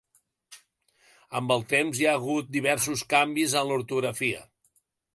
Amb el temps, hi ha hagut diversos canvis en l'ortografia.